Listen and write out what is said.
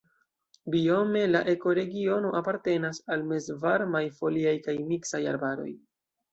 Biome la ekoregiono apartenas al mezvarmaj foliaj kaj miksaj arbaroj.